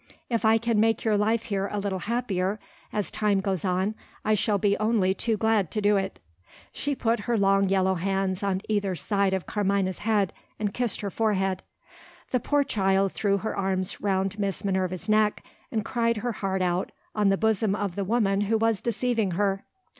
If I can make your life here a little happier, as time goes on, I shall be only too glad to do it." She put her long yellow hands on either side of Carmina's head, and kissed her forehead. The poor child threw her arms round Miss Minerva's neck, and cried her heart out on the bosom of the woman who was deceiving her.